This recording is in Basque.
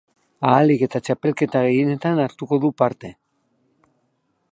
Ahalik eta txapelketa gehienetan hartuko du parte.